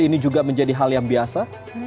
ini juga menjadi hal yang biasa